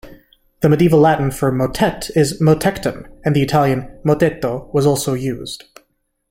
The Medieval Latin for "motet" is "motectum", and the Italian "mottetto" was also used.